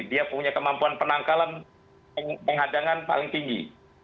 dia punya kemampuan penangkalan penghadangan paling tinggi